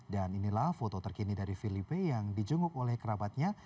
dan inilah foto terkini dari filipe yang dijungguk oleh kerabatnya